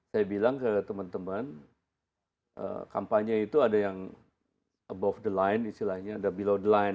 saya bilang ke teman teman kampanye itu ada yang above the line istilahnya ada below the line